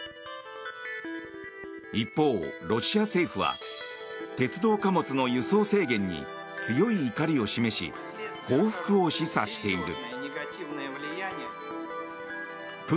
一方、ロシア政府は鉄道貨物の輸送制限に強い怒りを示し報復を示唆している。